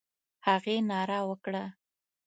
هغې ناره وکړه: